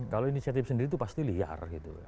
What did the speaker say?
kalau inisiatif sendiri itu pasti liar gitu